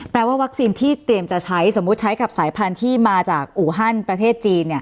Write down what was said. ว่าวัคซีนที่เตรียมจะใช้สมมุติใช้กับสายพันธุ์ที่มาจากอูฮันประเทศจีน